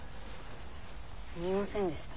すみませんでした。